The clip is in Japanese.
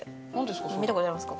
見たことありますか？